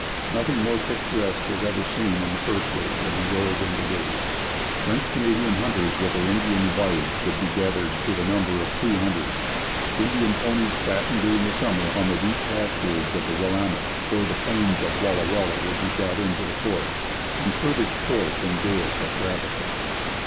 Nothing more picturesque was ever seen in the fur trade than these Oregon brigades. French Canadian hunters with their Indian wives would be gathered to the number of two hundred. Indian ponies fattened during the summer on the deep pasturage of the Willamette or the plains of Walla Walla would be brought in to the fort and furbished forth in gayest of trappings.